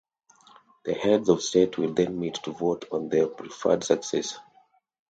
The heads of state will then meet to vote on their preferred successor.